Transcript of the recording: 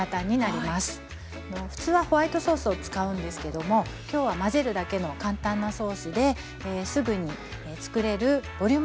普通はホワイトソースを使うんですけども今日は混ぜるだけの簡単なソースですぐにつくれるボリュームのあるおかずをつくります。